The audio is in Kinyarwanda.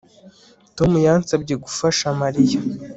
Tom yansabye gufasha Mariya